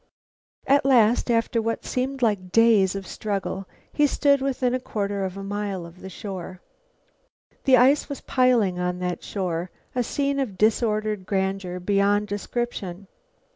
At last, after what seemed days of struggle, he stood within a quarter of a mile of the shore. The ice was piling on that shore, a scene of disordered grandeur beyond description.